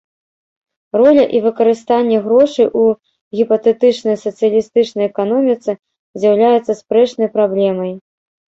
Роля і выкарыстанне грошай у гіпатэтычнай сацыялістычнай эканоміцы з'яўляецца спрэчнай праблемай.